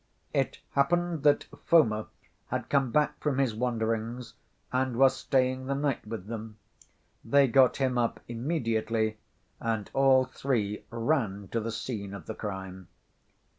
It happened that Foma had come back from his wanderings and was staying the night with them. They got him up immediately and all three ran to the scene of the crime.